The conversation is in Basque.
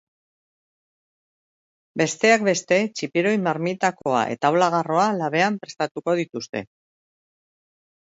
Besteak beste, txipiroi marmitakoa eta olagarroa labean prestatuko dituzte.